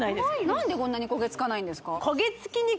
何でこんなに焦げつかないんですか？